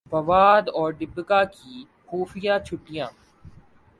فواد اور دپیکا کی خفیہ چھٹیاں